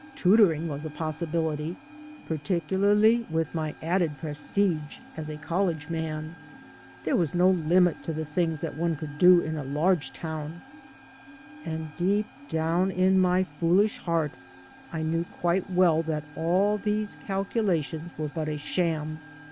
Tutoring was a possibility, particularly with my added prestige as a college man. There was no limit to the things that one could do in a large town. And deep down in my foolish heart I knew quite well that all these calculations were but a sham.